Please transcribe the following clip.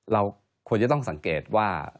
เราควรจะต้องสังเกตว่า